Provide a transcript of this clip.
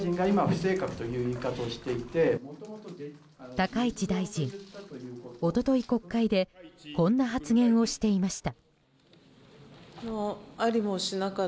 高市大臣、一昨日国会でこんな発言をしていました。